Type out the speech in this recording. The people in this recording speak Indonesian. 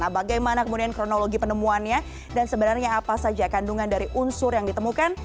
bagaimana kemudian kronologi penemuannya dan sebenarnya apa saja kandungan dari unsur yang ditemukan